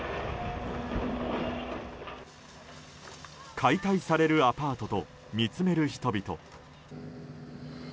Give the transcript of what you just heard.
解体されるアパートと見つめる人々。